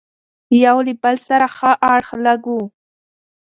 يو له بل سره ښه اړخ لګوو،